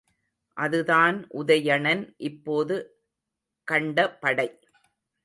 அதுதான் உதயணன் இப்போது கண்டபடை.